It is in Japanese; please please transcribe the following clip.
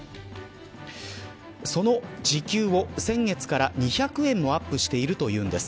その時給を先月から２００円もアップしているというんです。